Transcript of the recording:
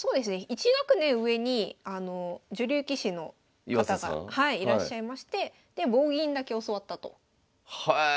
１学年上に女流棋士の方がいらっしゃいましてで棒銀だけ教わったとへえ！